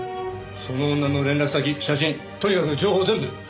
その女の連絡先写真とにかく情報を全部。